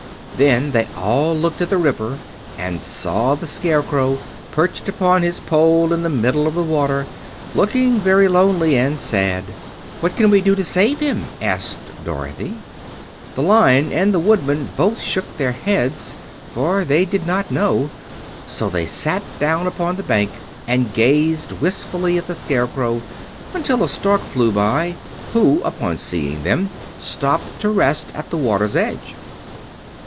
Then they all looked at the river and saw the Scarecrow perched upon his pole in the middle of the water, looking very lonely and sad. "What can we do to save him?" asked Dorothy. The Lion and the Woodman both shook their heads, for they did not know. So they sat down upon the bank and gazed wistfully at the Scarecrow until a Stork flew by, who, upon seeing them, stopped to rest at the water's edge.